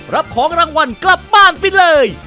รับของรางวัลกลับบ้านไปเลย